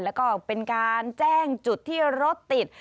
แล้วก็เป็นการแจ้งจุดที่รถติด